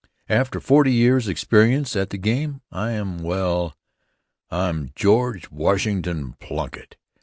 After forty years' experience at the game I am well, I'm George Washington Plunkitt.